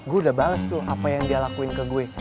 gue udah bales tuh apa yang dia lakuin ke gue